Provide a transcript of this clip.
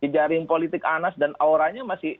jaring politik anas dan auranya masih